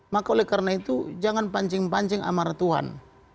maka oleh karena itu jangan pancing pancing amar tuhan